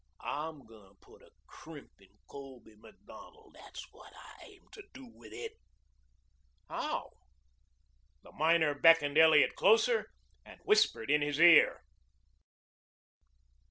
"I'm going to put a crimp in Colby Macdonald. That's what I aim to do with it." "How?" The miner beckoned Elliot closer and whispered in his ear.